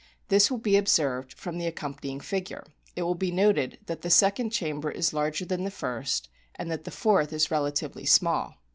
This will be observed from the accom panying figure. It will be noted that the second chamber is larger than the first, and that the fourth o is relatively small.